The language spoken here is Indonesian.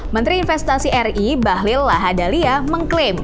menteri investasi ri bahlil lahadalia mengklaim